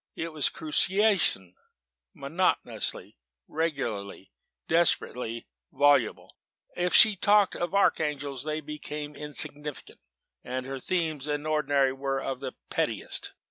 it was my cruciation monotonously, regularly, desperately voluble. If she talked of archangels, they became insignificant and her themes, in ordinary, were of the pettiest.